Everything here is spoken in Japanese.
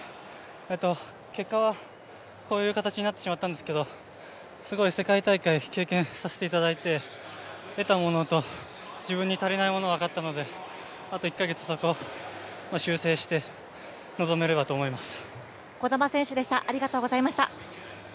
結果はこういう形になってしまったんですけど世界大会を経験させていただいて得たものと自分に足りないものが分かったのであと１か月、そこを修正して、臨めればと思います。